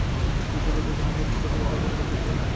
তিনি শত্রুর প্রতিটি চক্রান্তের পাল্টা ব্যবস্থা গ্রহণ করেছিলেন।